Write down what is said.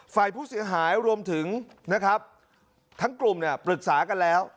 ฝ่ายผู้เสียหายรวมถึงนะครับทั้งกลุ่มเนี่ยปรึกษากันแล้ว